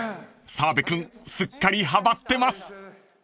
［澤部君すっかりはまってます］